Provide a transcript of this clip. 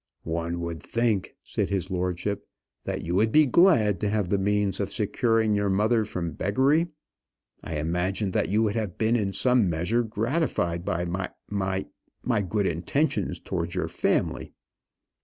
"One would think," said his lordship, "that you would be glad to have the means of securing your mother from beggary. I imagined that you would have been in some measure gratified by my my my good intentions towards your family."